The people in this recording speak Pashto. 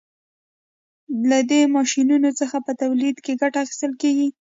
له دې ماشینونو څخه په تولید کې ګټه اخیستل کیږي.